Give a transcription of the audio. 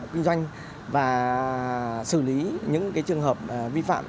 kinh doanh và xử lý những trường hợp vi phạm